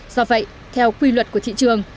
do vậy theo quy luật của thị trường